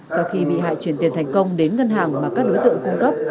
sau khi bị hại chuyển tiền thành công đến ngân hàng mà các đối tượng cung cấp